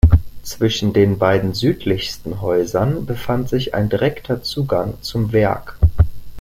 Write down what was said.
Zwischen den beiden südlichsten Häusern befand sich ein direkter Zugang zum Werk.